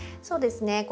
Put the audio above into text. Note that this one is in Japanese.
そうですね